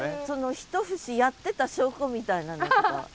一節やってた証拠みたいなのとか。